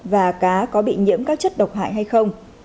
và cá có bị nhiễm các chất độc hại hay không